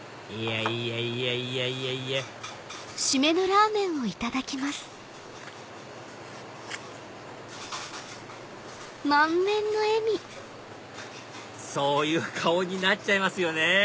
いやいやいやそういう顔になっちゃいますよね